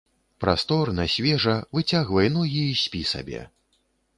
Прасторна, свежа, выцягвай ногі і спі сабе.